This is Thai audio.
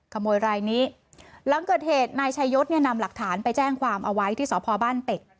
ขโมยรายนี้หลังเกิดเหตุนายชายศเนี่ยนำหลักฐานไปแจ้งความเอาไว้ที่สพบ้านเป็ด